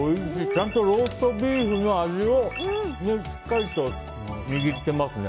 ちゃんとローストビーフの味をしっかりと握ってますね。